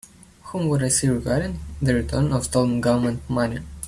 Whom would I see regarding the return of stolen Government money?